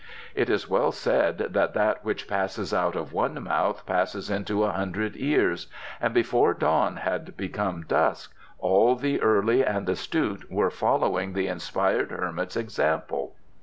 It is well said that that which passes out of one mouth passes into a hundred ears, and before dawn had become dusk all the early and astute were following the inspired hermit's example.